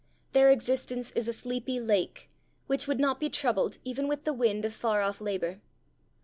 Their existence is a sleepy lake, which would not be troubled even with the wind of far off labour.